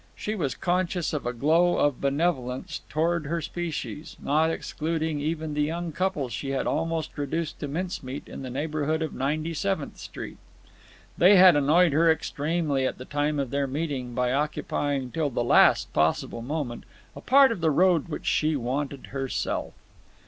She was conscious of a glow of benevolence toward her species, not excluding even the young couple she had almost reduced to mincemeat in the neighbourhood of Ninety Seventh Street. They had annoyed her extremely at the time of their meeting by occupying till the last possible moment a part of the road which she wanted herself.